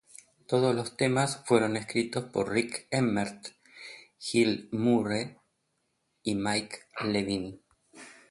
Todos los temas fueron escritos por Rik Emmett, Gil Moore y Mike Levine.